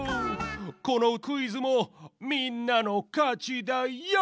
このクイズもみんなのかちだヨー！